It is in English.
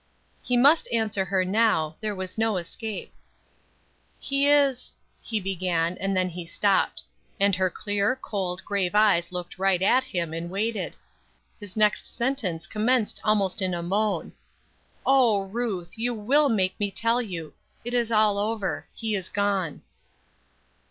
He must answer her now; there was no escape. "He is," he began, and then he stopped. And her clear, cold, grave eyes looked right at him and waited. His next sentence commenced almost in a moan. "Oh, Ruth, you will make me tell you! It is all over. He has gone."